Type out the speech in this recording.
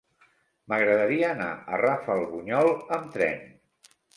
M'agradaria anar a Rafelbunyol amb tren.